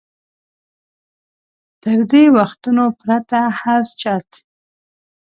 تر دې وختونو پرته هر چت.